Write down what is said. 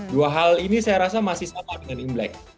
dua hal ini saya rasa masih sama